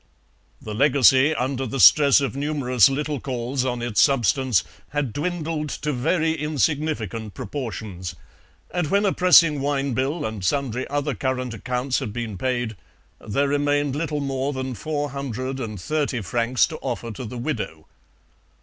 The legacy, under the stress of numerous little calls on its substance, had dwindled to very insignificant proportions, and when a pressing wine bill and sundry other current accounts had been paid, there remained little more than 430 francs to offer to the widow.